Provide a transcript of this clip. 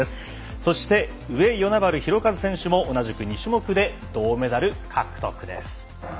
そして、上与那原寛和選手も同じく２種目で銅メダル獲得です。